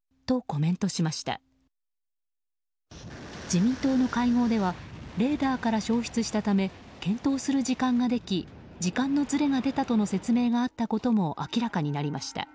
自民党の会合ではレーダーから消失したため検討する時間ができ時間のずれが出たとの説明があったことも明らかになりました。